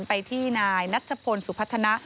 ไปที่นายนัชพลสุพัฒนะ